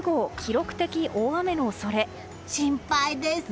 心配です。